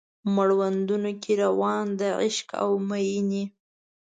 مړوندونو کې روان د عشق او میینې